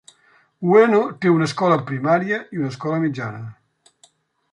Ueno té una escola primària i una escola mitjana.